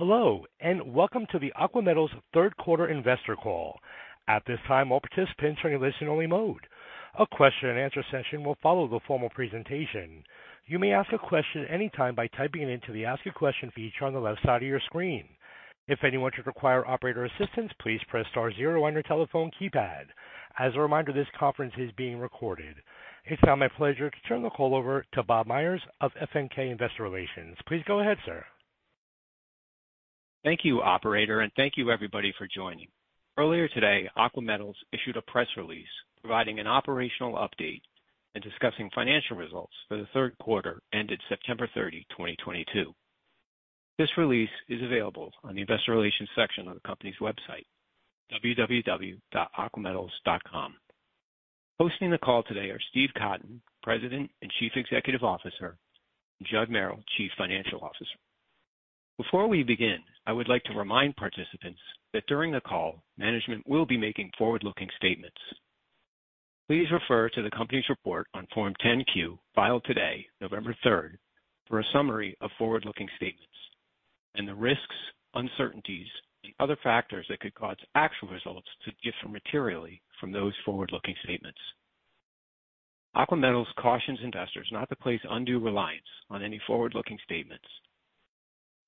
Hello, and welcome to the Aqua Metals third quarter investor call. At this time, all participants are in listen-only mode. A question and answer session will follow the formal presentation. You may ask a question anytime by typing it into the ask a question feature on the left side of your screen. If anyone should require operator assistance, please press star zero on your telephone keypad. As a reminder, this conference is being recorded. It's now my pleasure to turn the call over to Bob Meyers of FNK Investor Relations. Please go ahead, sir. Thank you, operator, and thank you everybody for joining. Earlier today, Aqua Metals issued a press release providing an operational update and discussing financial results for the third quarter ended September 30, 2022. This release is available on the investor relations section of the company's website, www.aquametals.com. Hosting the call today are Steve Cotton, President and Chief Executive Officer, and Judd Merrill, Chief Financial Officer. Before we begin, I would like to remind participants that during the call, management will be making forward-looking statements. Please refer to the company's report on Form 10-Q, filed today, November 3, for a summary of forward-looking statements and the risks, uncertainties and other factors that could cause actual results to differ materially from those forward-looking statements. Aqua Metals cautions investors not to place undue reliance on any forward-looking statements.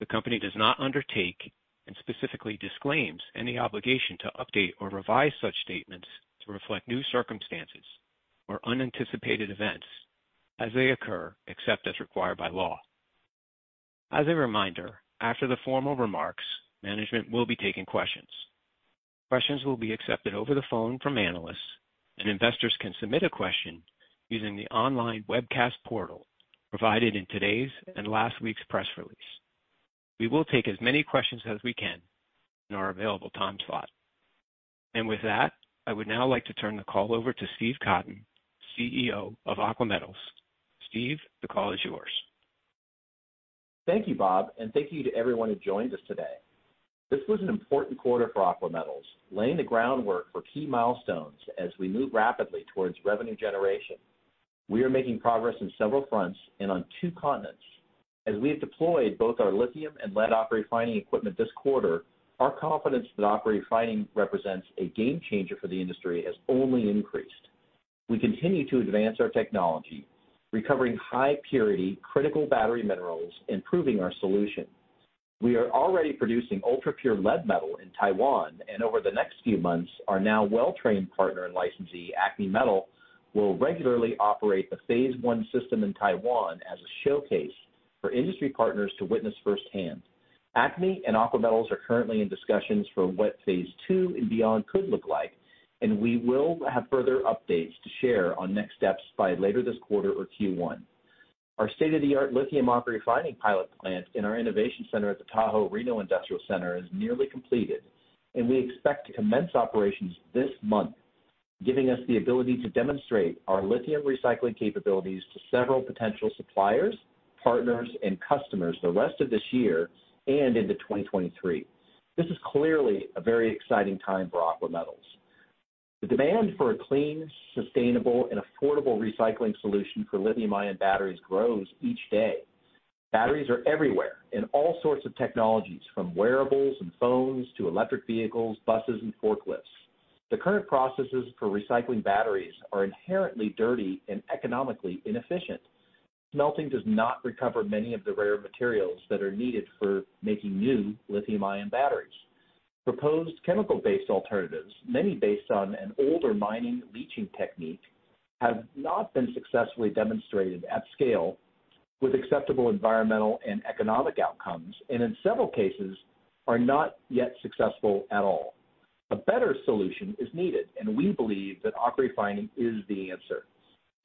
The company does not undertake and specifically disclaims any obligation to update or revise such statements to reflect new circumstances or unanticipated events as they occur, except as required by law. As a reminder, after the formal remarks, management will be taking questions. Questions will be accepted over the phone from analysts, and investors can submit a question using the online webcast portal provided in today's and last week's press release. We will take as many questions as we can in our available time slot. With that, I would now like to turn the call over to Steve Cotton, CEO of Aqua Metals. Steve, the call is yours. Thank you, Bob, and thank you to everyone who joined us today. This was an important quarter for Aqua Metals, laying the groundwork for key milestones as we move rapidly towards revenue generation. We are making progress on several fronts and on two continents. As we have deployed both our lithium and lead AquaRefining equipment this quarter, our confidence that AquaRefining represents a game changer for the industry has only increased. We continue to advance our technology, recovering high purity, critical battery minerals, improving our solution. We are already producing ultra-pure lead metal in Taiwan, and over the next few months, our now well-trained partner and licensee, ACME Metal, will regularly operate the phase one system in Taiwan as a showcase for industry partners to witness firsthand. ACME and Aqua Metals are currently in discussions for what phase two and beyond could look like, and we will have further updates to share on next steps by later this quarter or Q1. Our state-of-the-art lithium AquaRefining pilot plant in our innovation center at the Tahoe Reno Industrial Center is nearly completed, and we expect to commence operations this month, giving us the ability to demonstrate our lithium recycling capabilities to several potential suppliers, partners and customers the rest of this year and into 2023. This is clearly a very exciting time for Aqua Metals. The demand for a clean, sustainable and affordable recycling solution for lithium-ion batteries grows each day. Batteries are everywhere in all sorts of technologies, from wearables and phones to electric vehicles, buses and forklifts. The current processes for recycling batteries are inherently dirty and economically inefficient. Smelting does not recover many of the rare materials that are needed for making new lithium-ion batteries. Proposed chemical-based alternatives, many based on an older mining leaching technique, have not been successfully demonstrated at scale with acceptable environmental and economic outcomes, and in several cases are not yet successful at all. A better solution is needed, and we believe that AquaRefining is the answer.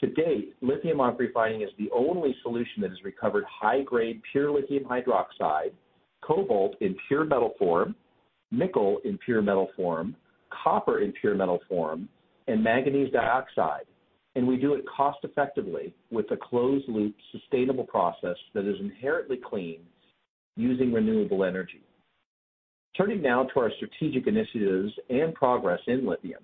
To date, lithium AquaRefining is the only solution that has recovered high-grade pure lithium hydroxide, cobalt in pure metal form, nickel in pure metal form, copper in pure metal form, and manganese dioxide. We do it cost-effectively with a closed-loop, sustainable process that is inherently clean using renewable energy. Turning now to our strategic initiatives and progress in lithium.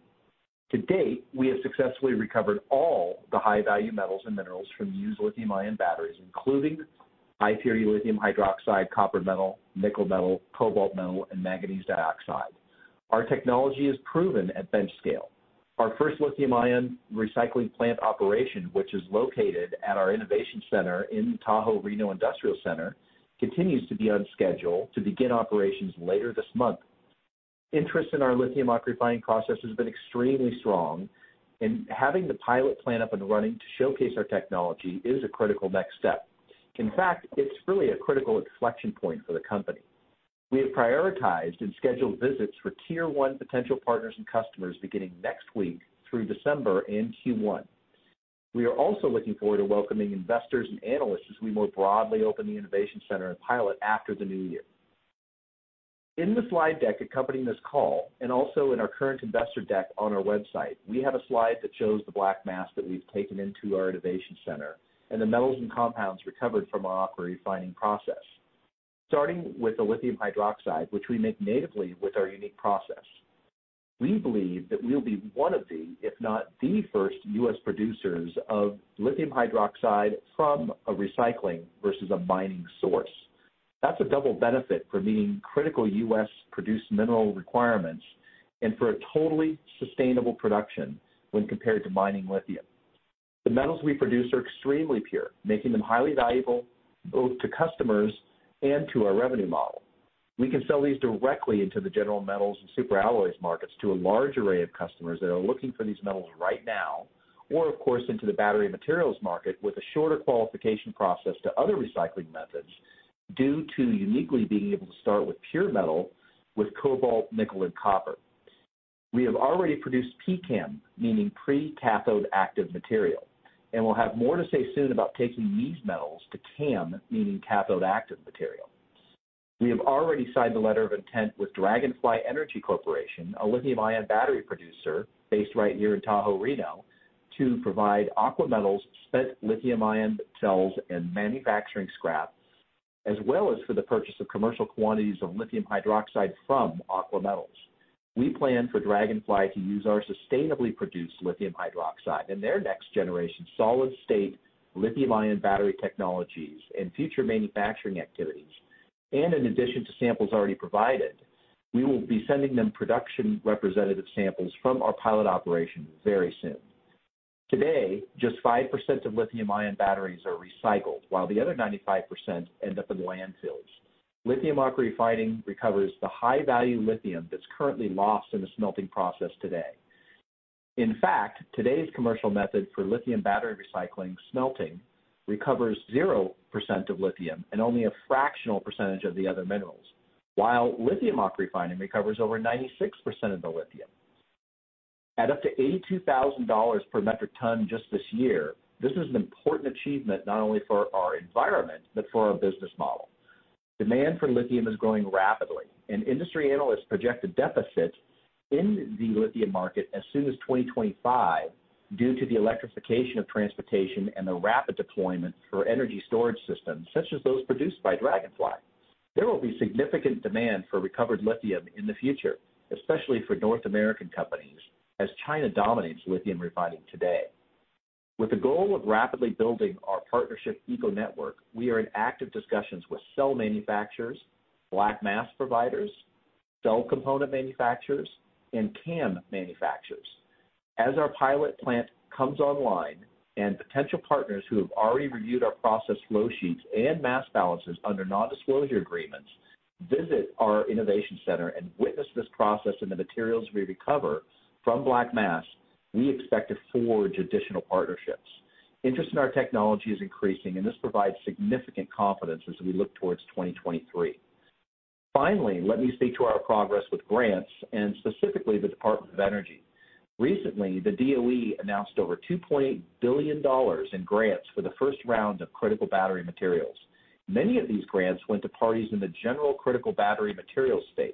To date, we have successfully recovered all the high-value metals and minerals from used lithium-ion batteries, including high-purity lithium hydroxide, copper metal, nickel metal, cobalt metal, and manganese dioxide. Our technology is proven at bench scale. Our first lithium-ion recycling plant operation, which is located at our innovation center in Tahoe Reno Industrial Center, continues to be on schedule to begin operations later this month. Interest in our lithium AquaRefining process has been extremely strong, and having the pilot plant up and running to showcase our technology is a critical next step. In fact, it's really a critical inflection point for the company. We have prioritized and scheduled visits for tier one potential partners and customers beginning next week through December and Q1. We are also looking forward to welcoming investors and analysts as we more broadly open the innovation center and pilot after the new year. In the slide deck accompanying this call, and also in our current investor deck on our website, we have a slide that shows the black mass that we've taken into our innovation center and the metals and compounds recovered from our AquaRefining process. Starting with the lithium hydroxide, which we make natively with our unique process. We believe that we'll be one of the, if not the first U.S. producers of lithium hydroxide from a recycling versus a mining source. That's a double benefit for meeting critical U.S.-produced mineral requirements and for a totally sustainable production when compared to mining lithium. The metals we produce are extremely pure, making them highly valuable both to customers and to our revenue model. We can sell these directly into the general metals and super alloys markets to a large array of customers that are looking for these metals right now, or of course, into the battery materials market with a shorter qualification process to other recycling methods due to uniquely being able to start with pure metal with cobalt, nickel, and copper. We have already produced PCAM, meaning precursor cathode active material, and we'll have more to say soon about taking these metals to CAM, meaning cathode active material. We have already signed the letter of intent with Dragonfly Energy Holdings Corp., a lithium-ion battery producer based right here in Tahoe, Reno, to provide Aqua Metals spent lithium-ion cells and manufacturing scrap, as well as for the purchase of commercial quantities of lithium hydroxide from Aqua Metals. We plan for Dragonfly to use our sustainably produced lithium hydroxide in their next generation solid-state lithium-ion battery technologies and future manufacturing activities. In addition to samples already provided, we will be sending them production representative samples from our pilot operation very soon. Today, just 5% of lithium-ion batteries are recycled, while the other 95% end up in landfills. Lithium AquaRefining recovers the high-value lithium that's currently lost in the smelting process today. In fact, today's commercial method for lithium battery recycling smelting recovers 0% of lithium and only a fractional percentage of the other minerals, while lithium AquaRefining recovers over 96% of the lithium. At up to $82,000 per metric ton just this year, this is an important achievement not only for our environment, but for our business model. Demand for lithium is growing rapidly, and industry analysts project a deficit in the lithium market as soon as 2025 due to the electrification of transportation and the rapid deployment for energy storage systems such as those produced by Dragonfly. There will be significant demand for recovered lithium in the future, especially for North American companies, as China dominates lithium refining today. With the goal of rapidly building our partnership eco-network, we are in active discussions with cell manufacturers, black mass providers, cell component manufacturers, and CAM manufacturers. As our pilot plant comes online and potential partners who have already reviewed our process flow sheets and mass balances under non-disclosure agreements visit our innovation center and witness this process and the materials we recover from black mass, we expect to forge additional partnerships. Interest in our technology is increasing, and this provides significant confidence as we look towards 2023. Finally, let me speak to our progress with grants and specifically the Department of Energy. Recently, the DOE announced over $2.8 billion in grants for the first round of critical battery materials. Many of these grants went to parties in the general critical battery material space.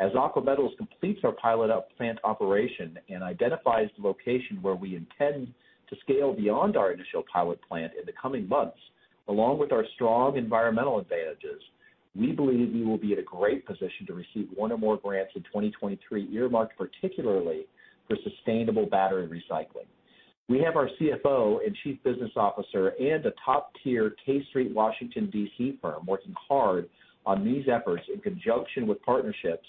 As Aqua Metals completes our pilot plant operation and identifies the location where we intend to scale beyond our initial pilot plant in the coming months, along with our strong environmental advantages, we believe we will be at a great position to receive one or more grants in 2023 earmarked particularly for sustainable battery recycling. We have our CFO and chief business officer and a top-tier K Street, Washington, D.C. firm working hard on these efforts in conjunction with partnerships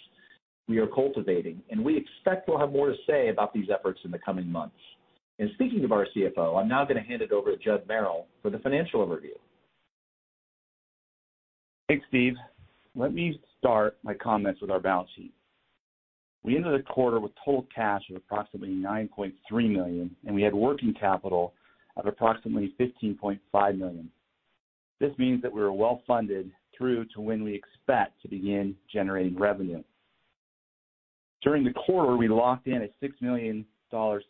we are cultivating, and we expect we'll have more to say about these efforts in the coming months. Speaking of our CFO, I'm now gonna hand it over to Judd Merrill for the financial overview. Thanks, Steve. Let me start my comments with our balance sheet. We ended the quarter with total cash of approximately $9.3 million, and we had working capital of approximately $15.5 million. This means that we are well funded through to when we expect to begin generating revenue. During the quarter, we locked in a $6 million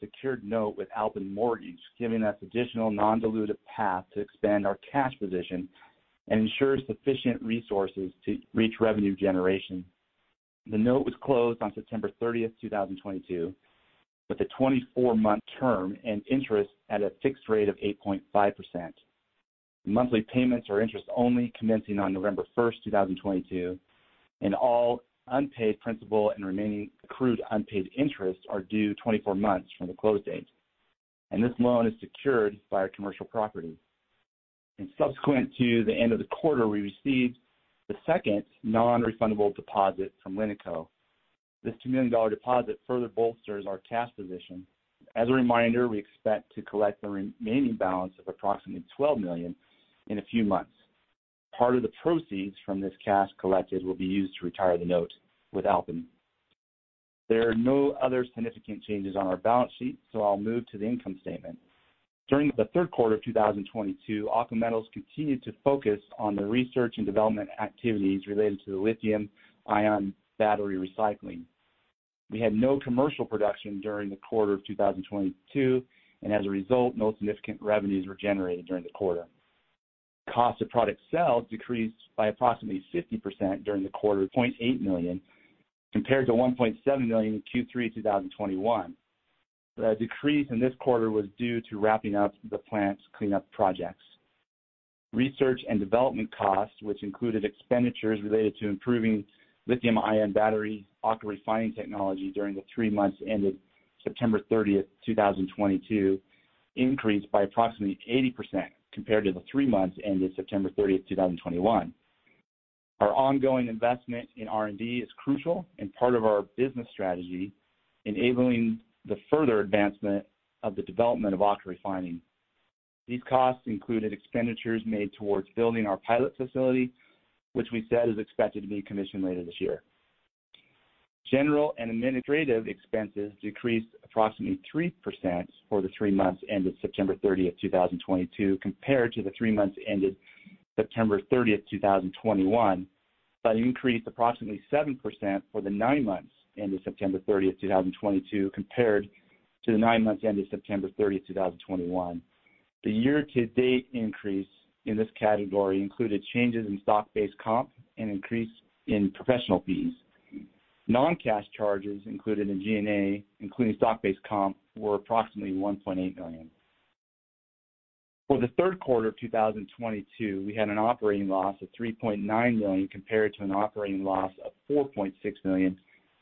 secured note with Alpen Mortgage, giving us additional non-dilutive path to expand our cash position and ensure sufficient resources to reach revenue generation. The note was closed on September 30, 2022, with a 24-month term and interest at a fixed rate of 8.5%. Monthly payments are interest only, commencing on November 1, 2022, and all unpaid principal and remaining accrued unpaid interest are due 24 months from the close date. This loan is secured by our commercial property. Subsequent to the end of the quarter, we received the second non-refundable deposit from LiNiCo. This $2 million deposit further bolsters our cash position. As a reminder, we expect to collect the remaining balance of approximately $12 million in a few months. Part of the proceeds from this cash collected will be used to retire the note with Alban. There are no other significant changes on our balance sheet, so I'll move to the income statement. During the third quarter of 2022, Aqua Metals continued to focus on the research and development activities related to the lithium-ion battery recycling. We had no commercial production during the quarter of 2022, and as a result, no significant revenues were generated during the quarter. Cost of product sales decreased by approximately 50% during the quarter to $0.8 million, compared to $1.7 million in Q3 2021. The decrease in this quarter was due to wrapping up the plant's cleanup projects. Research and development costs, which included expenditures related to improving lithium-ion battery AquaRefining technology during the three months ended September 30, 2022, increased by approximately 80% compared to the three months ended September 30, 2021. Our ongoing investment in R&D is crucial and part of our business strategy, enabling the further advancement of the development of AquaRefining. These costs included expenditures made towards building our pilot facility, which we said is expected to be commissioned later this year. General and administrative expenses decreased approximately 3% for the three months ended September 30, 2022, compared to the three months ended September 30, 2021. Increased approximately 7% for the nine months ended September 30, 2022, compared to the nine months ended September 30, 2021. The year-to-date increase in this category included changes in stock-based comp and increase in professional fees. Non-cash charges included in G&A, including stock-based comp, were approximately $1.8 million. For the third quarter of 2022, we had an operating loss of $3.9 million, compared to an operating loss of $4.6 million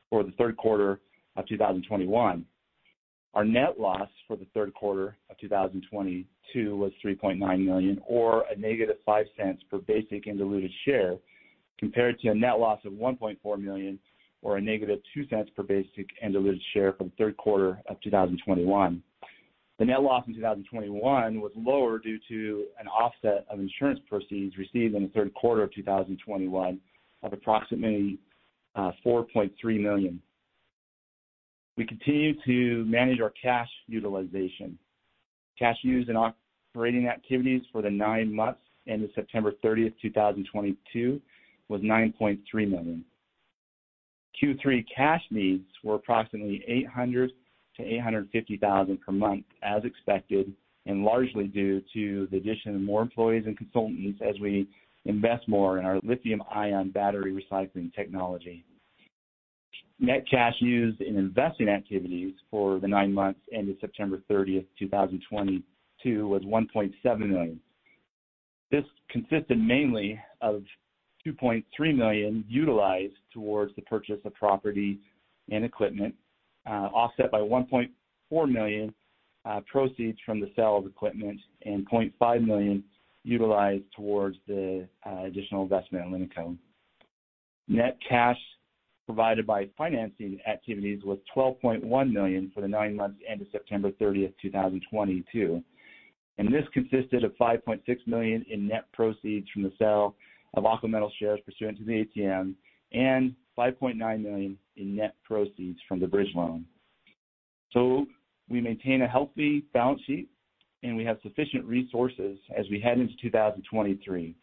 for the third quarter of 2021. Our net loss for the third quarter of 2022 was $3.9 million or -$0.05 per basic and diluted share, compared to a net loss of $1.4 million or -$0.02 per basic and diluted share for the third quarter of 2021. The net loss in 2021 was lower due to an offset of insurance proceeds received in the third quarter of 2021 of approximately $4.3 million. We continue to manage our cash utilization. Cash used in operating activities for the nine months ended September 30, 2022 was $9.3 million. Q3 cash needs were approximately $800-$850 thousand per month as expected, largely due to the addition of more employees and consultants as we invest more in our lithium ion battery recycling technology. Net cash used in investing activities for the nine months ended September 30, 2022 was $1.7 million. This consisted mainly of $2.3 million utilized toward the purchase of property and equipment, offset by $1.4 million proceeds from the sale of equipment and $0.5 million utilized toward the additional investment in LiNiCo. Net cash provided by financing activities was $12.1 million for the nine months ended September 30, 2022, and this consisted of $5.6 million in net proceeds from the sale of Aqua Metals shares pursuant to the ATM and $5.9 million in net proceeds from the bridge loan. We maintain a healthy balance sheet, and we have sufficient resources as we head into 2023.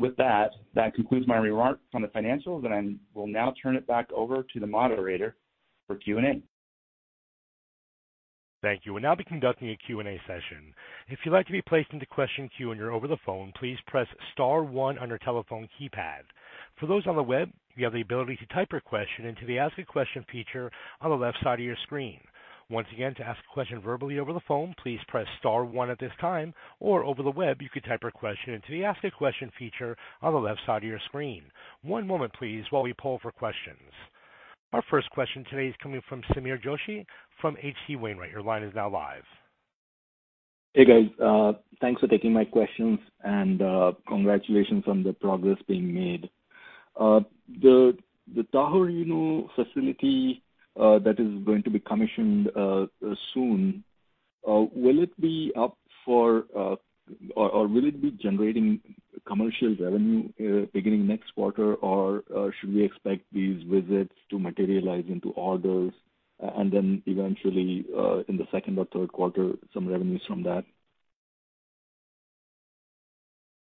With that concludes my remarks on the financials, and I will now turn it back over to the moderator for Q&A. Thank you. We'll now be conducting a Q&A session. If you'd like to be placed into question queue when you're over the phone, please press Star one on your telephone keypad. For those on the web, you have the ability to type your question into the Ask a Question feature on the left side of your screen. Once again, to ask a question verbally over the phone, please press Star one at this time, or over the web, you can type your question into the Ask a Question feature on the left side of your screen. One moment, please, while we poll for questions. Our first question today is coming from Sameer Joshi from H.C. Wainwright & Co. Your line is now live. Hey, guys. Thanks for taking my questions, and congratulations on the progress being made. The Tahoe, you know, facility that is going to be commissioned soon, will it be up for, or will it be generating commercial revenue beginning next quarter? Should we expect these visits to materialize into orders and then eventually, in the second or third quarter, some revenues from that?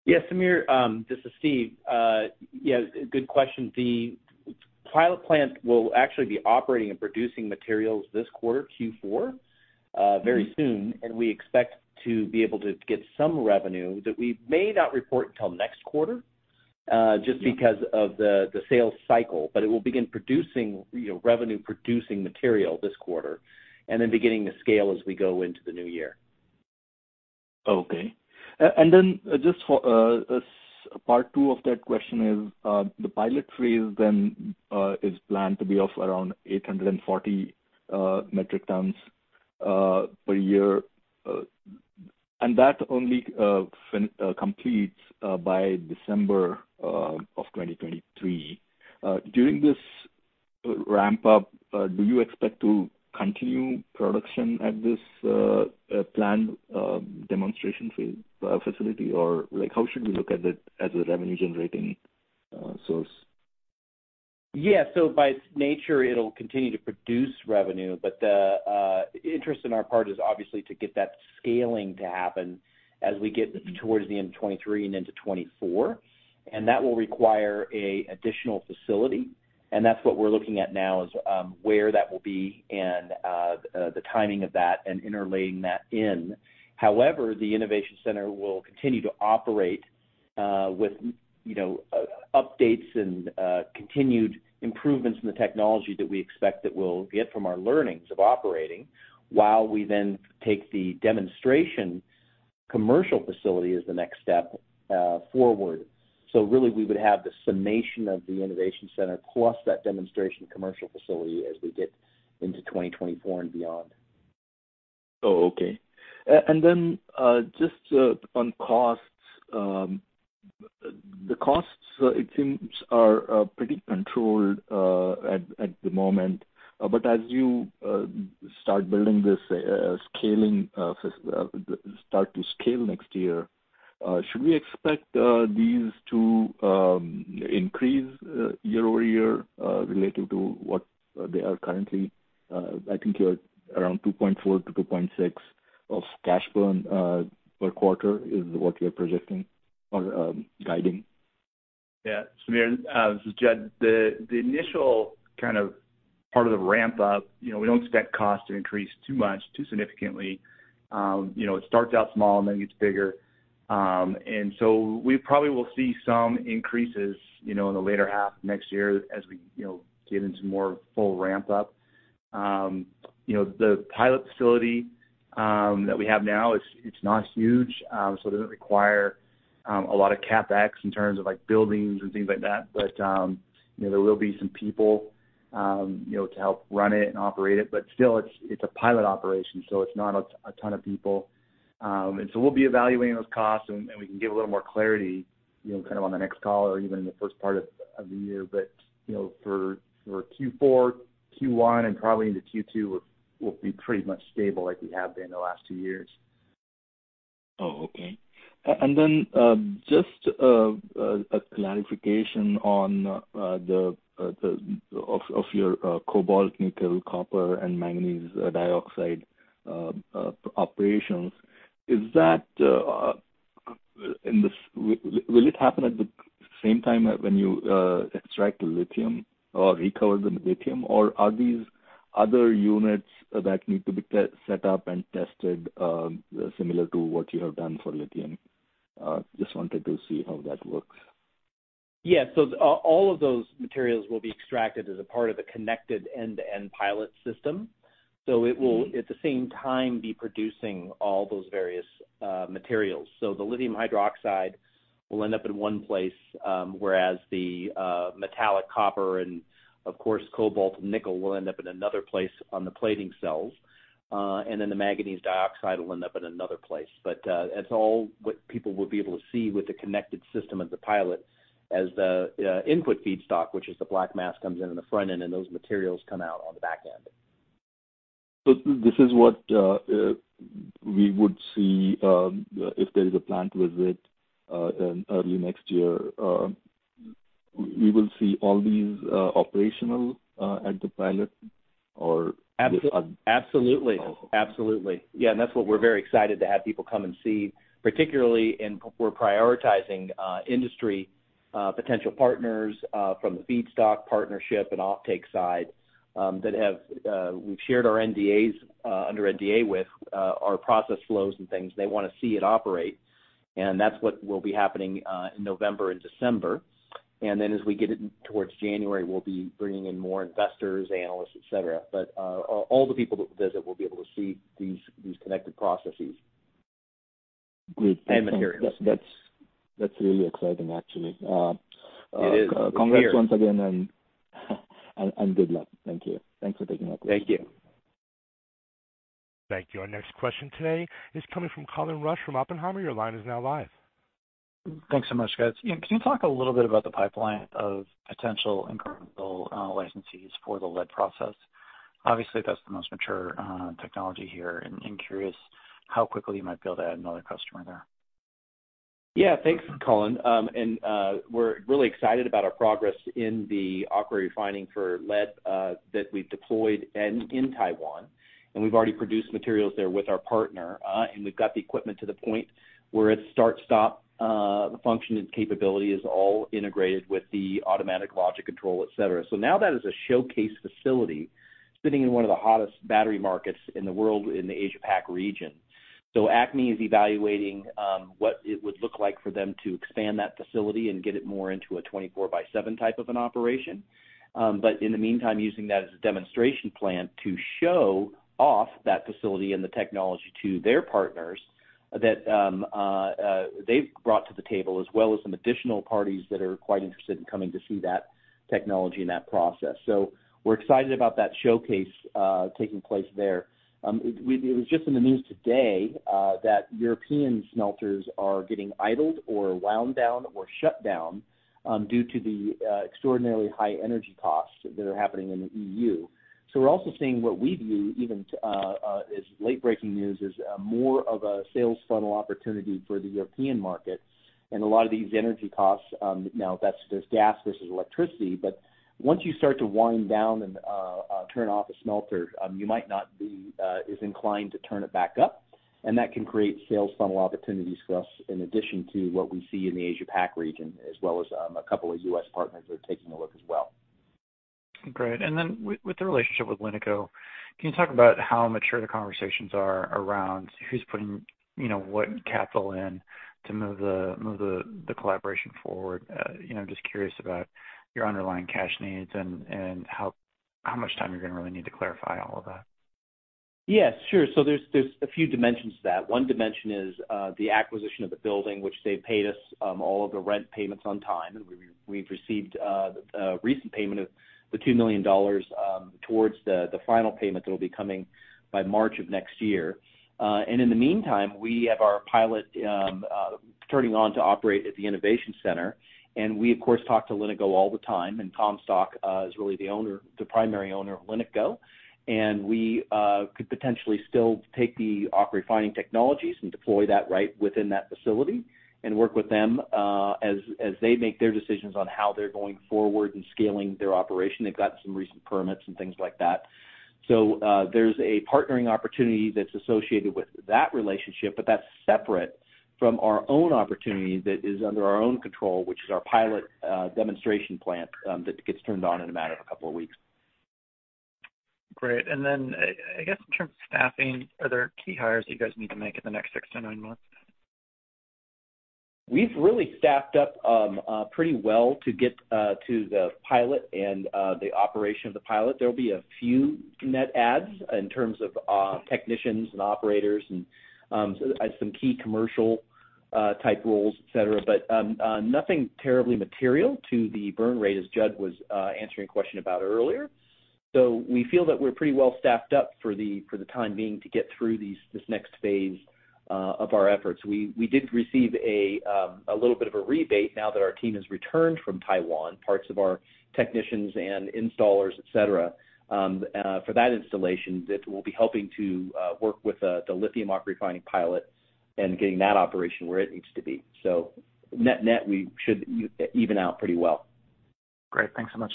Yes, Sameer. This is Steve. Yeah, good question. The pilot plant will actually be operating and producing materials this quarter, Q4, very soon. We expect to be able to get some revenue that we may not report until next quarter, just because of the sales cycle. It will begin producing, you know, revenue producing material this quarter and then beginning to scale as we go into the new year. Okay. Then just for part two of that question, the pilot phase then is planned to be of around 840 metric tons per year. That only completes by December 2023. During this ramp up, do you expect to continue production at this plant demonstration facility? Or like, how should we look at it as a revenue generating source? Yeah. By its nature, it'll continue to produce revenue, but the interest on our part is obviously to get that scaling to happen as we get towards the end of 2023 and into 2024. That will require an additional facility, and that's what we're looking at now is where that will be and the timing of that and interlaying that in. However, the Innovation Center will continue to operate. With you know updates and continued improvements in the technology that we expect that we'll get from our learnings of operating while we then take the demonstration commercial facility as the next step, forward. Really, we would have the summation of the innovation center plus that demonstration commercial facility as we get into 2024 and beyond. Oh, okay. Then, just on costs. The costs, it seems, are pretty controlled at the moment. As you start to scale next year, should we expect these to increase year-over-year related to what they are currently? I think you are around $2.4-$2.6 of cash burn per quarter is what you're projecting or guiding. Yeah. Sameer, this is Judd. The initial kind of part of the ramp up, you know, we don't expect costs to increase too much, too significantly. It starts out small and then gets bigger. We probably will see some increases, you know, in the later half of next year as we, you know, get into more full ramp up. The pilot facility that we have now is. It's not huge, so it doesn't require a lot of CapEx in terms of, like, buildings and things like that. There will be some people, you know, to help run it and operate it. Still, it's a pilot operation, so it's not a ton of people. We'll be evaluating those costs, and we can give a little more clarity, you know, kind of on the next call or even in the first part of the year. You know, for Q4, Q1, and probably into Q2, we'll be pretty much stable like we have been the last two years. Oh, okay. Just a clarification on the recovery of your cobalt, nickel, copper and manganese dioxide operations. Will it happen at the same time when you extract the lithium or recover the lithium? Or are these other units that need to be set up and tested, similar to what you have done for lithium? Just wanted to see how that works. Yeah. All of those materials will be extracted as a part of a connected end-to-end pilot system. It will, at the same time, be producing all those various materials. The lithium hydroxide will end up in one place, whereas the metallic copper and of course, cobalt and nickel will end up in another place on the plating cells. The manganese dioxide will end up in another place. That's all what people will be able to see with the connected system of the pilot as the input feedstock, which is the black mass, comes in on the front end and those materials come out on the back end. This is what we would see if there is a plant visit in early next year. We will see all these operational at the pilot. Absolutely. Yeah, that's what we're very excited to have people come and see, particularly, we're prioritizing industry potential partners from the feedstock partnership and offtake side that we've shared our NDAs under NDA with our process flows and things. They wanna see it operate, and that's what will be happening in November and December. Then as we get towards January, we'll be bringing in more investors, analysts, et cetera. All the people that visit will be able to see these connected processes. Great. Materials. That's really exciting, actually. It is. Congrats once again, and good luck. Thank you. Thanks for taking our questions. Thank you. Thank you. Our next question today is coming from Colin Rusch from Oppenheimer. Your line is now live. Thanks so much, guys. Can you talk a little bit about the pipeline of potential incremental licensees for the lead process? Obviously, that's the most mature technology here. Curious how quickly you might be able to add another customer there. Yeah. Thanks, Colin. We're really excited about our progress in the AquaRefining for lead that we've deployed in Taiwan. We've already produced materials there with our partner. We've got the equipment to the point where it's start, stop, the function and capability is all integrated with the automatic logic control, et cetera. Now that is a showcase facility sitting in one of the hottest battery markets in the world in the Asia PAC region. ACME is evaluating what it would look like for them to expand that facility and get it more into a 24/7 type of an operation. In the meantime, using that as a demonstration plant to show off that facility and the technology to their partners that they've brought to the table, as well as some additional parties that are quite interested in coming to see that technology and that process. We're excited about that showcase taking place there. It was just in the news today that European smelters are getting idled or wound down or shut down due to the extraordinarily high energy costs that are happening in the EU. We're also seeing what we view even as late-breaking news is more of a sales funnel opportunity for the European market. A lot of these energy costs, there's gas versus electricity, but once you start to wind down and turn off a smelter, you might not be as inclined to turn it back up. That can create sales funnel opportunities for us in addition to what we see in the Asia PAC region, as well as a couple of U.S. partners who are taking a look as well. Great. Then with the relationship with LiNiCo, can you talk about how mature the conversations are around who's putting, you know, what capital in to move the collaboration forward? You know, I'm just curious about your underlying cash needs and how much time you're gonna really need to clarify all of that. Yes, sure. There's a few dimensions to that. One dimension is the acquisition of the building, which they've paid us all of the rent payments on time. We've received a recent payment of $2 million towards the final payment that will be coming by March of next year. In the meantime, we have our pilot turning on to operate at the innovation center. We of course talk to LiNiCo all the time, and Michael Vogel is really the owner, the primary owner of LiNiCo. We could potentially still take the AquaRefining technologies and deploy that right within that facility and work with them as they make their decisions on how they're going forward and scaling their operation. They've got some recent permits and things like that. There's a partnering opportunity that's associated with that relationship, but that's separate from our own opportunity that is under our own control, which is our pilot demonstration plant that gets turned on in a matter of a couple of weeks. Great. I guess in terms of staffing, are there key hires you guys need to make in the next six to nine months? We've really staffed up, pretty well to get to the pilot and the operation of the pilot. There'll be a few net adds in terms of, technicians and operators and, some key commercial, type roles, et cetera. Nothing terribly material to the burn rate as Judd was, answering a question about earlier. We feel that we're pretty well staffed up for the, for the time being to get through this next phase, of our efforts. We did receive a little bit of a rebate now that our team has returned from Taiwan, parts of our technicians and installers, et cetera, for that installation that will be helping to, work with, the lithium AquaRefining pilot and getting that operation where it needs to be. net-net, we should even out pretty well. Great. Thanks so much.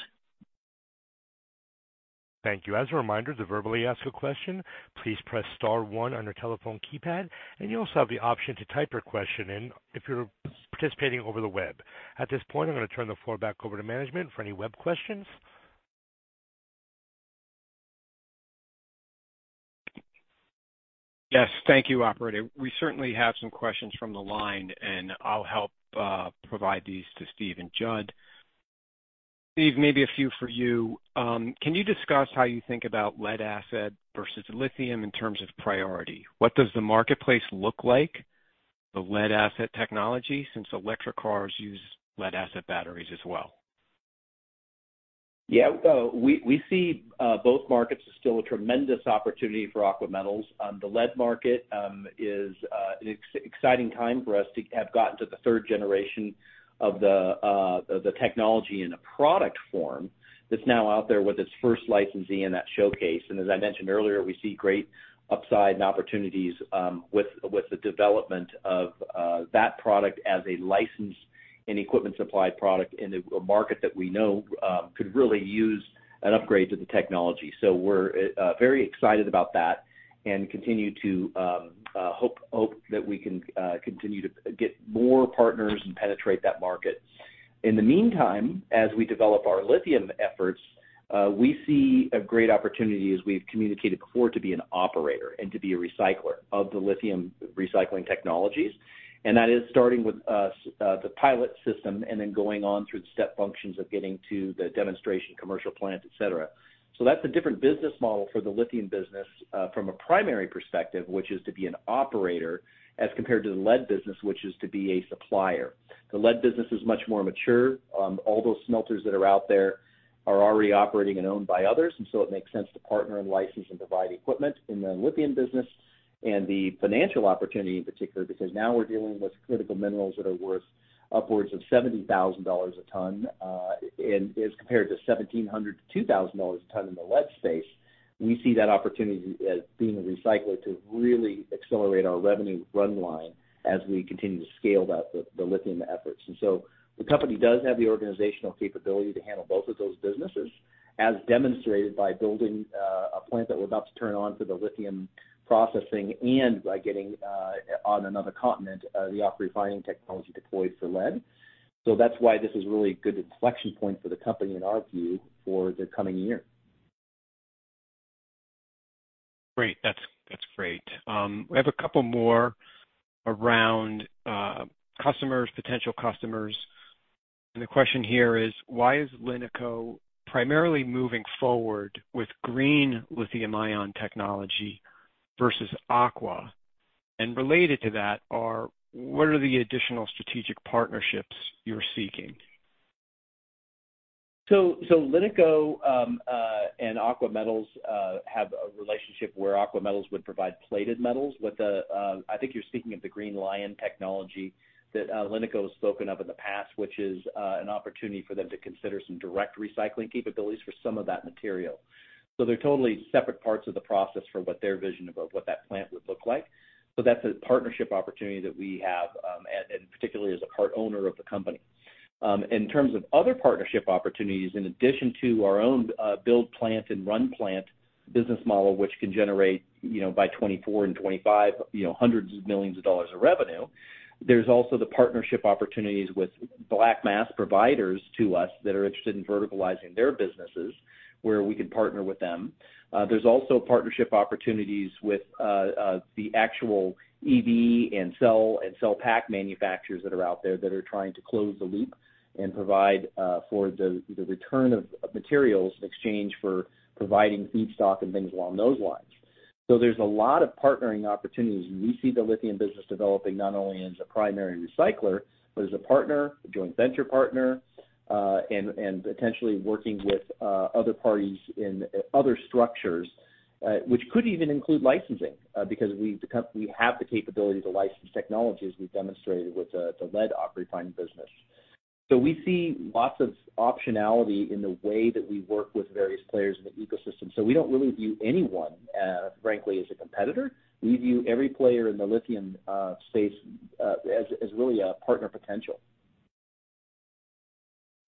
Thank you. As a reminder, to verbally ask a question, please press star one on your telephone keypad, and you also have the option to type your question in if you're participating over the web. At this point, I'm gonna turn the floor back over to management for any web questions. Yes, thank you, operator. We certainly have some questions from the line, and I'll help provide these to Steve and Judd. Steve, maybe a few for you. Can you discuss how you think about lead-acid versus lithium in terms of priority? What does the marketplace look like, the lead-acid technology, since electric cars use lead-acid batteries as well? We see both markets as still a tremendous opportunity for Aqua Metals. The lead market is an exciting time for us to have gotten to the third generation of the technology in a product form that's now out there with its first licensee in that showcase. As I mentioned earlier, we see great upside and opportunities with the development of that product as a licensed and equipment supply product in a market that we know could really use an upgrade to the technology. We're very excited about that and continue to hope that we can continue to get more partners and penetrate that market. In the meantime, as we develop our lithium efforts, we see a great opportunity as we've communicated before, to be an operator and to be a recycler of the lithium recycling technologies. That is starting with the pilot system and then going on through the step functions of getting to the demonstration commercial plant, et cetera. That's a different business model for the lithium business from a primary perspective, which is to be an operator as compared to the lead business, which is to be a supplier. The lead business is much more mature. All those smelters that are out there are already operating and owned by others, and so it makes sense to partner and license and provide equipment in the lithium business. The financial opportunity in particular, because now we're dealing with critical minerals that are worth upwards of $70,000 a ton, and as compared to $1,700-$2,000 a ton in the lead space, we see that opportunity as being a recycler to really accelerate our revenue run rate as we continue to scale the lithium efforts. The company does have the organizational capability to handle both of those businesses, as demonstrated by building a plant that we're about to turn on for the lithium processing and by getting on another continent the AquaRefining technology deployed for lead. That's why this is really a good inflection point for the company, in our view, for the coming year. Great. That's great. We have a couple more around customers, potential customers. The question here is why is LiNiCo primarily moving forward with Green Li-ion technology versus Aqua? Related to that, what are the additional strategic partnerships you're seeking? LiNiCo and Aqua Metals have a relationship where Aqua Metals would provide plated metals with the. I think you're speaking of the Green Li-ion technology that LiNiCo has spoken of in the past, which is an opportunity for them to consider some direct recycling capabilities for some of that material. They're totally separate parts of the process for what their vision about what that plant would look like. That's a partnership opportunity that we have, and particularly as a part owner of the company. In terms of other partnership opportunities, in addition to our own build plant and run plant business model, which can generate, you know, by 2024 and 2025, you know, hundreds of million dollars of revenue. There's also the partnership opportunities with black mass providers to us that are interested in verticalizing their businesses, where we can partner with them. There's also partnership opportunities with the actual EV and cell and cell pack manufacturers that are out there that are trying to close the loop and provide for the return of materials in exchange for providing feedstock and things along those lines. There's a lot of partnering opportunities, and we see the lithium business developing not only as a primary recycler, but as a partner, a joint venture partner, and potentially working with other parties in other structures, which could even include licensing, because we have the capability to license technology as we've demonstrated with the lead AquaRefining business. We see lots of optionality in the way that we work with various players in the ecosystem. We don't really view anyone, frankly, as a competitor. We view every player in the lithium space as really a partner potential.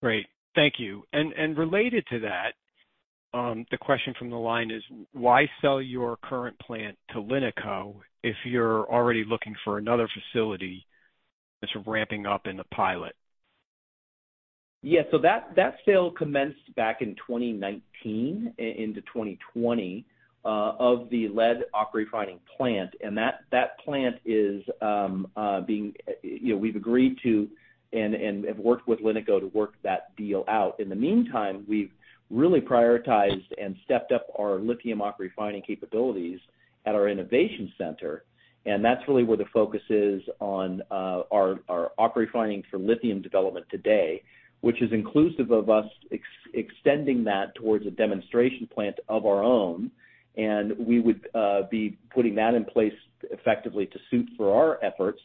Great. Thank you. Related to that, the question from the line is why sell your current plant to LiNiCo if you're already looking for another facility that's ramping up in the pilot? That sale commenced back in 2019 into 2020 of the lead AquaRefining plant. That plant is being you know, we've agreed to and have worked with LiNiCo to work that deal out. In the meantime, we've really prioritized and stepped up our lithium AquaRefining capabilities at our innovation center, and that's really where the focus is on our AquaRefining for lithium development today, which is inclusive of us extending that towards a demonstration plant of our own. We would be putting that in place effectively to support our efforts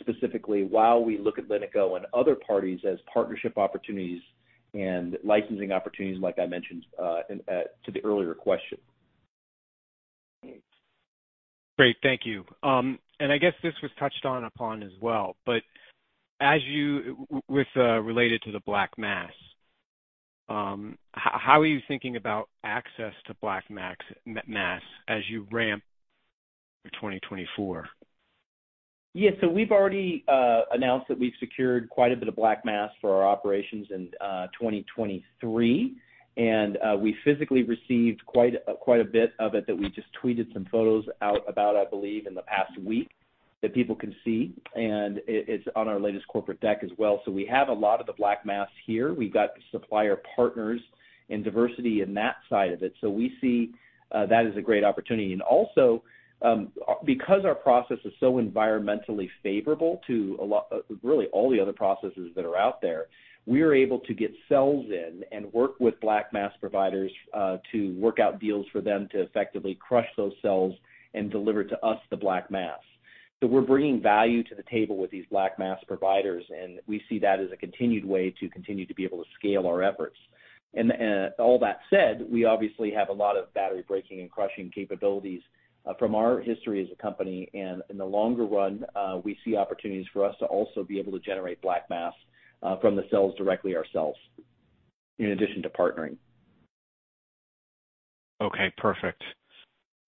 specifically while we look at LiNiCo and other parties as partnership opportunities and licensing opportunities, like I mentioned to the earlier question. Great. Thank you. I guess this was touched upon as well. With related to the black mass, how are you thinking about access to black mass as you ramp through 2024? Yeah. We've already announced that we've secured quite a bit of black mass for our operations in 2023. We physically received quite a bit of it that we just tweeted some photos out about, I believe, in the past week that people can see, and it is on our latest corporate deck as well. We have a lot of the black mass here. We've got supplier partners and diversity in that side of it. We see that as a great opportunity. Also, because our process is so environmentally favorable to a lot, really all the other processes that are out there, we're able to get cells in and work with black mass providers to work out deals for them to effectively crush those cells and deliver to us the black mass. We're bringing value to the table with these black mass providers, and we see that as a continued way to continue to be able to scale our efforts. All that said, we obviously have a lot of battery breaking and crushing capabilities from our history as a company. In the longer run, we see opportunities for us to also be able to generate black mass from the cells directly ourselves in addition to partnering. Okay, perfect.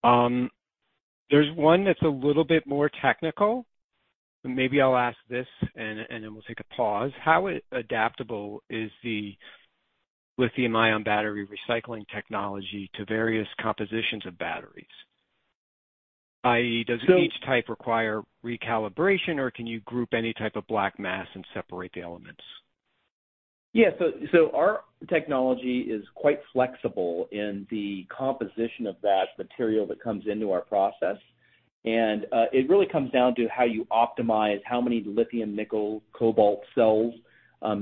There's one that's a little bit more technical. Maybe I'll ask this and then we'll take a pause. How adaptable is the lithium-ion battery recycling technology to various compositions of batteries? I.e., does So- Each type require recalibration, or can you group any type of black mass and separate the elements? Yeah. Our technology is quite flexible in the composition of that material that comes into our process. It really comes down to how you optimize how many lithium nickel cobalt cells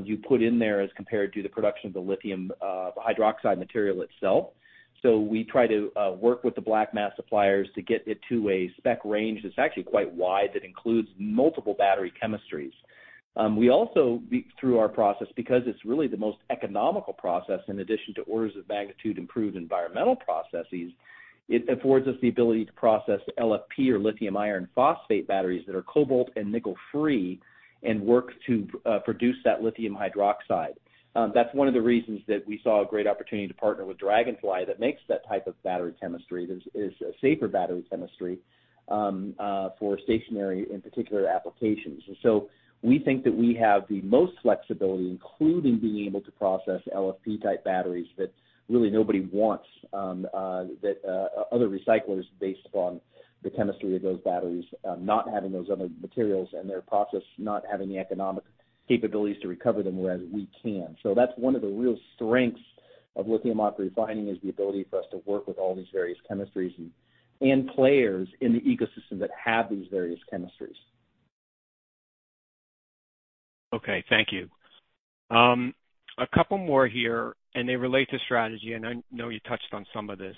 you put in there as compared to the production of the lithium hydroxide material itself. We try to work with the black mass suppliers to get it to a spec range that's actually quite wide, that includes multiple battery chemistries. We also, through our process, because it's really the most economical process in addition to orders of magnitude improved environmental processes, it affords us the ability to process LFP or lithium iron phosphate batteries that are cobalt and nickel free and work to produce that lithium hydroxide. That's one of the reasons that we saw a great opportunity to partner with Dragonfly that makes that type of battery chemistry. There's a safer battery chemistry for stationary, in particular applications. We think that we have the most flexibility, including being able to process LFP type batteries that really nobody wants, that other recyclers based upon the chemistry of those batteries not having those other materials and their process not having the economic capabilities to recover them, whereas we can. That's one of the real strengths of lithium AquaRefining, is the ability for us to work with all these various chemistries and players in the ecosystem that have these various chemistries. Okay, thank you. A couple more here, and they relate to strategy, and I know you touched on some of this.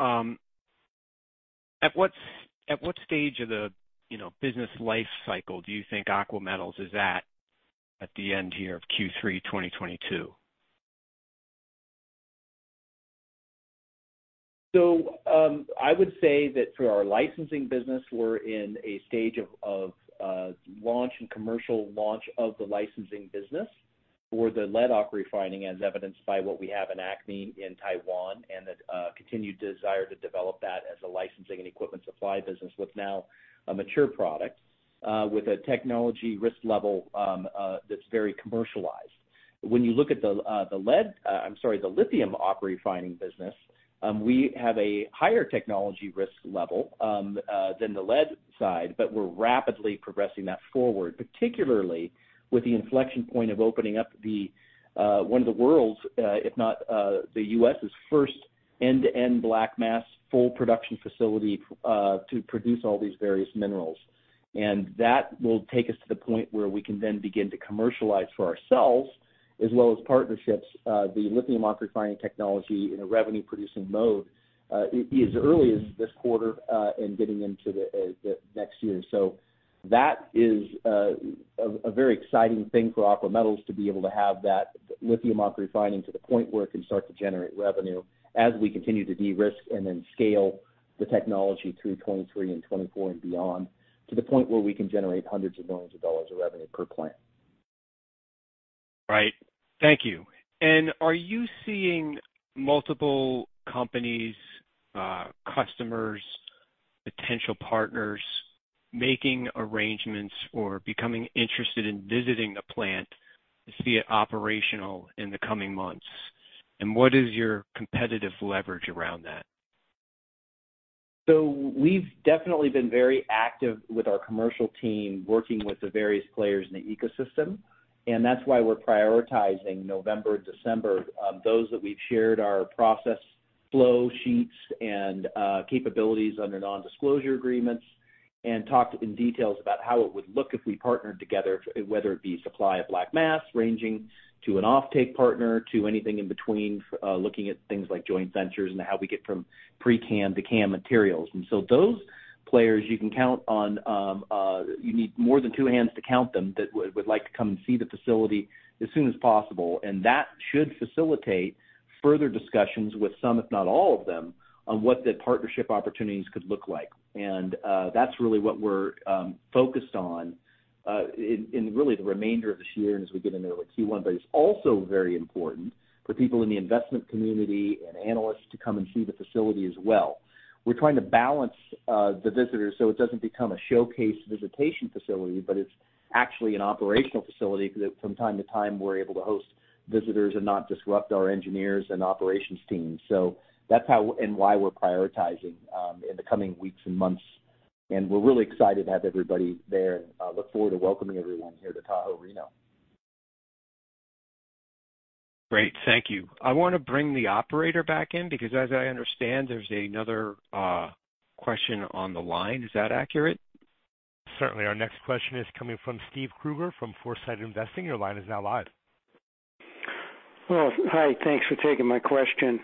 At what stage of the, you know, business life cycle do you think Aqua Metals is at the end here of Q3 2022? I would say that through our licensing business, we're in a stage of launch and commercial launch of the licensing business for the lead AquaRefining, as evidenced by what we have in ACME in Taiwan, and the continued desire to develop that as a licensing and equipment supply business with now a mature product, with a technology risk level that's very commercialized. When you look at the lithium AquaRefining business, we have a higher technology risk level than the lead side, but we're rapidly progressing that forward, particularly with the inflection point of opening up the one of the world's, if not, the U.S.' first end-to-end black mass full production facility to produce all these various minerals. That will take us to the point where we can then begin to commercialize for ourselves, as well as partnerships, the lithium AquaRefining technology in a revenue producing mode, as early as this quarter, and getting into the next year. That is a very exciting thing for Aqua Metals to be able to have that lithium AquaRefining to the point where it can start to generate revenue as we continue to de-risk and then scale the technology through 2023 and 2024 and beyond, to the point where we can generate hundreds of millions of dollars of revenue per plant. Right. Thank you. Are you seeing multiple companies, customers, potential partners making arrangements or becoming interested in visiting the plant to see it operational in the coming months? What is your competitive leverage around that? We've definitely been very active with our commercial team, working with the various players in the ecosystem, and that's why we're prioritizing November, December, those that we've shared our process flow sheets and capabilities under non-disclosure agreements and talked in details about how it would look if we partnered together, whether it be supply of black mass ranging to an offtake partner, to anything in between, looking at things like joint ventures and how we get from pCAM to CAM materials. Those players you can count on, you need more than two hands to count them that would like to come and see the facility as soon as possible. That should facilitate further discussions with some, if not all of them, on what the partnership opportunities could look like. That's really what we're focused on in really the remainder of this year and as we get into Q1. It's also very important for people in the investment community and analysts to come and see the facility as well. We're trying to balance the visitors so it doesn't become a showcase visitation facility, but it's actually an operational facility because from time to time, we're able to host visitors and not disrupt our engineers and operations teams. That's how and why we're prioritizing in the coming weeks and months. We're really excited to have everybody there and look forward to welcoming everyone here to Tahoe Reno. Great. Thank you. I wanna bring the operator back in because as I understand there's another, question on the line. Is that accurate? Certainly. Our next question is coming from Steven Kruger from Foresight Investing. Your line is now live. Well, hi. Thanks for taking my question.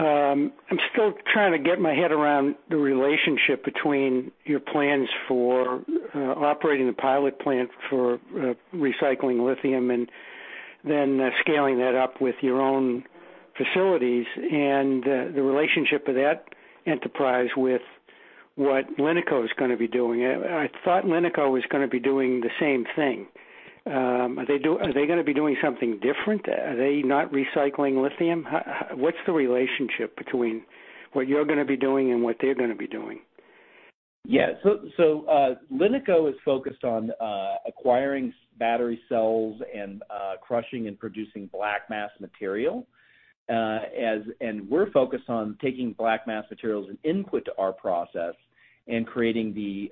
I'm still trying to get my head around the relationship between your plans for operating the pilot plant for recycling lithium and then scaling that up with your own facilities and the relationship of that enterprise with what LiNiCo is gonna be doing. I thought LiNiCo was gonna be doing the same thing. Are they gonna be doing something different? Are they not recycling lithium? What's the relationship between what you're gonna be doing and what they're gonna be doing? Yeah. Linico is focused on acquiring battery cells and crushing and producing black mass material, and we're focused on taking black mass materials as input to our process and creating the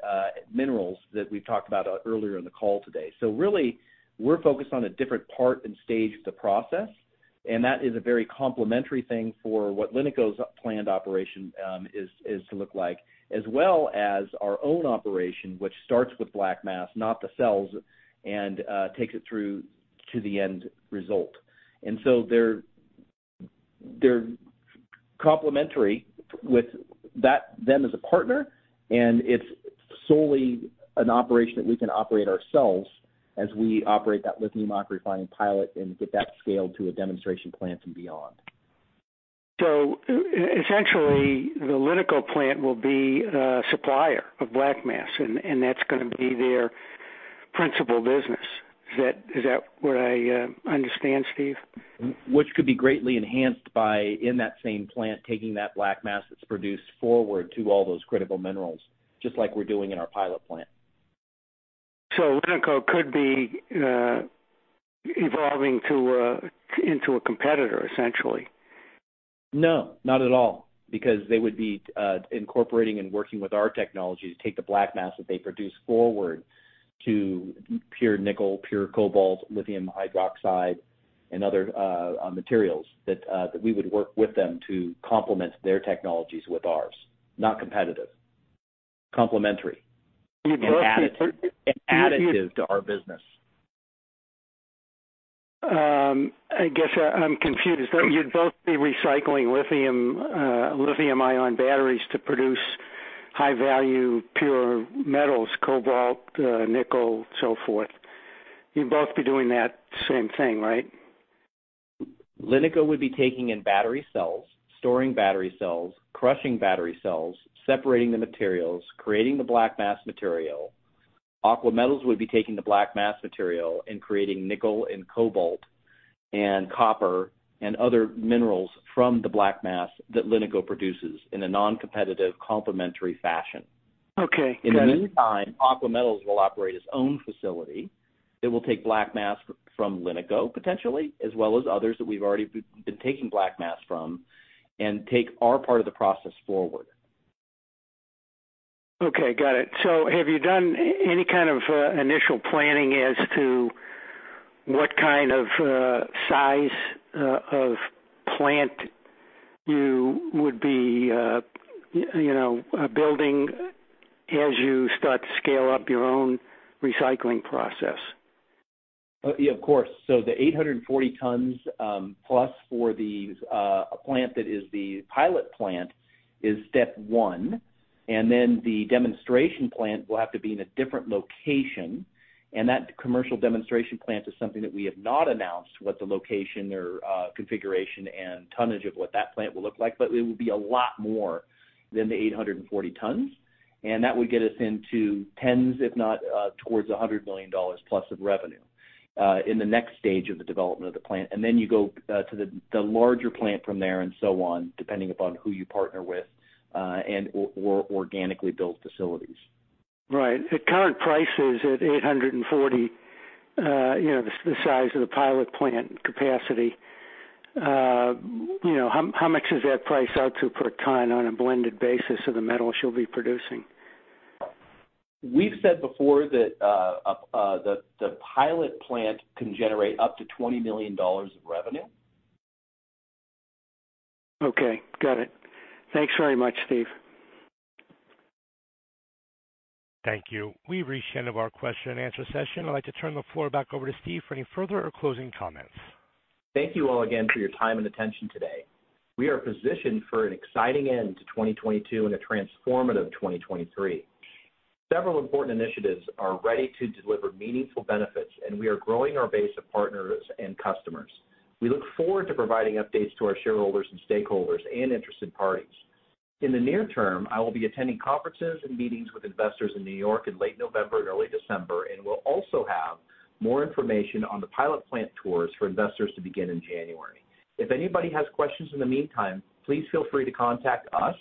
minerals that we've talked about earlier in the call today. Really, we're focused on a different part and stage of the process, and that is a very complementary thing for what LiNiCo's planned operation is to look like, as well as our own operation, which starts with black mass, not the cells, and takes it through to the end result. They're complementary with that them as a partner, and it's solely an operation that we can operate ourselves as we operate that lithium AquaRefining pilot and get that scaled to a demonstration plant and beyond. Essentially, the LiNiCo plant will be a supplier of black mass, and that's gonna be their principal business. Is that what I understand, Steve? Which could be greatly enhanced by, in that same plant, taking that black mass that's produced forward to all those critical minerals, just like we're doing in our pilot plant. LiNiCo could be evolving into a competitor, essentially. No, not at all, because they would be incorporating and working with our technology to take the black mass that they produce forward to pure nickel, pure cobalt, lithium hydroxide, and other materials that that we would work with them to complement their technologies with ours. Not competitive, complementary and additive to our business. I guess I'm confused. You'd both be recycling lithium-ion batteries to produce high value, pure metals, cobalt, nickel, so forth. You'd both be doing that same thing, right? LiNiCo would be taking in battery cells, storing battery cells, crushing battery cells, separating the materials, creating the black mass material. Aqua Metals would be taking the black mass material and creating nickel and cobalt and copper and other minerals from the black mass that LiNiCo produces in a non-competitive complementary fashion. Okay, got it. In the meantime, Aqua Metals will operate its own facility that will take black mass from LiNiCo potentially, as well as others that we've already been taking black mass from, and take our part of the process forward. Okay, got it. Have you done any kind of initial planning as to what kind of size of plant you would be you know building as you start to scale up your own recycling process? Yeah, of course. The 840 tons plus for these plant that is the pilot plant is step one, and then the demonstration plant will have to be in a different location. That commercial demonstration plant is something that we have not announced what the location or configuration and tonnage of what that plant will look like, but it will be a lot more than the 840 tons. That would get us into tens if not towards $100 million plus of revenue in the next stage of the development of the plant. You go to the larger plant from there and so on, depending upon who you partner with and or organically built facilities. Right. At current prices at $840, you know, the size of the pilot plant capacity, you know, how much does that price out to per ton on a blended basis of the metals you'll be producing? We've said before that the pilot plant can generate up to $20 million of revenue. Okay, got it. Thanks very much, Steve. Thank you. We've reached the end of our question and answer session. I'd like to turn the floor back over to Steve for any further or closing comments. Thank you all again for your time and attention today. We are positioned for an exciting end to 2022 and a transformative 2023. Several important initiatives are ready to deliver meaningful benefits, and we are growing our base of partners and customers. We look forward to providing updates to our shareholders and stakeholders and interested parties. In the near term, I will be attending conferences and meetings with investors in New York in late November and early December, and we'll also have more information on the pilot plant tours for investors to begin in January. If anybody has questions in the meantime, please feel free to contact us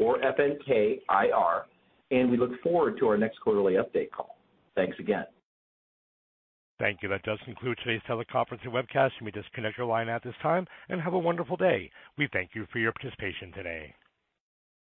or FNK IR, and we look forward to our next quarterly update call. Thanks again. Thank you. That does conclude today's teleconference and webcast. You may disconnect your line at this time and have a wonderful day. We thank you for your participation today.